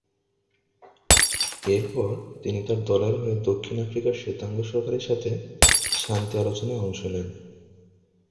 এর পর তিনি তার দলের হয়ে দক্ষিণ আফ্রিকার শ্বেতাঙ্গ সরকারের সাথে শান্তি আলোচনায় অংশ নেন।